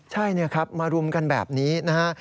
ใช่มารวมกันแบบนี้นะฮะ